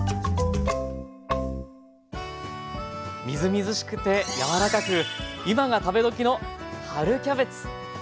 みずみずしくて柔らかく今が食べどきの春キャベツ。